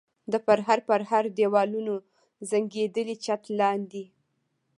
د پرهر پرهر دېوالونو زنګېدلي چت لاندې.